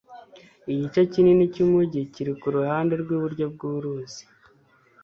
igice kinini cyumujyi kiri kuruhande rwiburyo bwuruzi